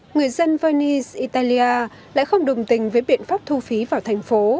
người dân venice italia lại không đồng tình với biện pháp thu phí vào thành phố